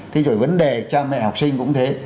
thế rồi vấn đề cha mẹ học sinh cũng thế